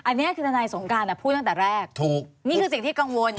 อันนี้คือทนายสงการพูดตั้งแต่แรกถูกนี่คือสิ่งที่กังวล